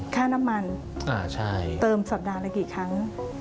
ค่าน้ำมันเติมสัปดาห์ละกี่ครั้ง